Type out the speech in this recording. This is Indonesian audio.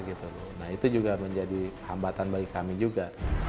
itu juga menjadi perambatan bagi kami juga